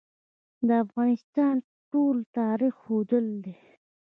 د افغانستان ټول تاریخ ښودلې ده.